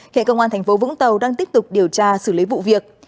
hệ công an tp vũng tàu đang tiếp tục điều tra xử lý vụ việc